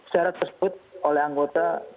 syarat tersebut oleh anggota